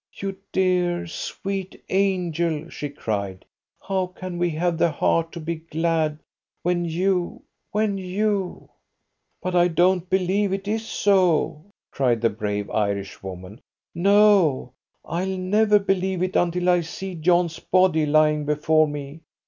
"You dear, sweet angel," she cried, "how can we have the heart to be glad when you when you " "But I don't believe it is so," cried the brave Irishwoman. "No, I'll never believe it until I see John's body lying before me.